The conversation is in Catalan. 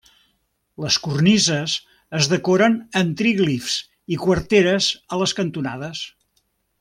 Les cornises es decoren amb tríglifs i quarteres a les cantonades.